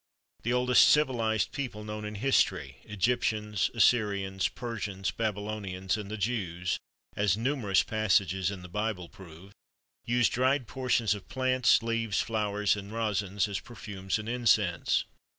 The oldest civilized people known in history—Egyptians, Assyrians, Persians, Babylonians, and the Jews, as numerous passages in the Bible prove—used dried portions of plants, leaves, flowers, and resins as perfumes and incense.